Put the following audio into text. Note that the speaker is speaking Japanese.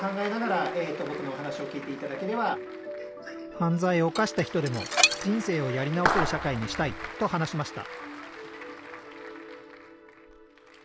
犯罪を犯した人でも人生をやり直せる社会にしたいと話しました